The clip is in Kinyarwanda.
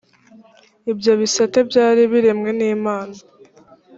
ibyo bisate byari biremwe n’imana